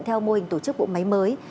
theo mô hình tổ chức bộ máy mới